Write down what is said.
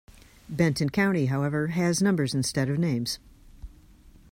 Benton County, however, has numbers instead of names.